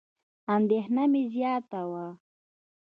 اندېښنه مې زیاته وه.